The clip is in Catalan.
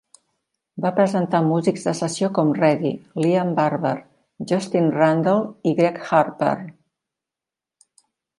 Va presentar músics de sessió com Reddy, Liam Barber, Justin Randall i Greg Harper.